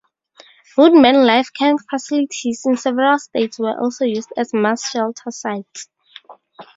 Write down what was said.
WoodmenLife camp facilities in several states were also used as mass shelter sites.